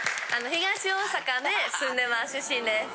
東大阪で住んでます、出身です。